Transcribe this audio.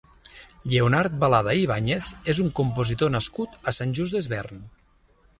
Lleonard Balada i Ibañez és un compositor nascut a Sant Just Desvern.